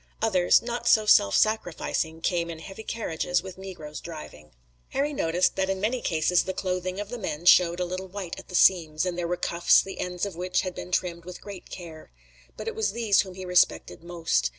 Others, not so self sacrificing, came in heavy carriages with negroes driving. Harry noticed that in many cases the clothing of the men showed a little white at the seams, and there were cuffs the ends of which had been trimmed with great care. But it was these whom he respected most.